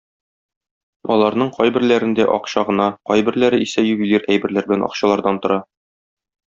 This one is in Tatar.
Аларның кайберләрендә акча гына, кайберләре исә ювелир әйберләр белән акчалардан тора.